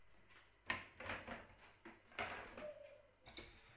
Po desítky let zastával přední stranické a státní funkce.